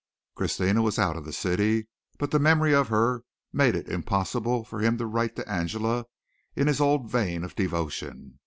Christina was out of the city, but the memory of her made it impossible for him to write to Angela in his old vein of devotion.